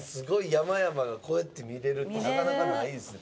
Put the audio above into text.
山々がこうやって見れるってなかなかないですね